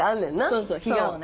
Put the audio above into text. そうそう「ひがお」ね。